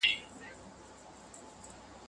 که خلک پام وکړي ستونزه کميږي.